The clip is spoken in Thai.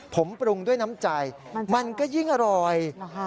ผมปรุงด้วยน้ำใจมันก็ยิ่งอร่อย